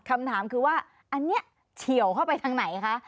คำถามคือว่าอันนี้เฉียวเข้าไปทางไหนคะ